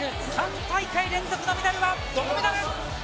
３大会連続のメダルは銀メダル！